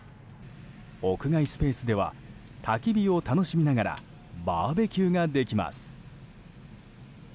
屋外スペースではたき火を楽しみながらバーベキューができます。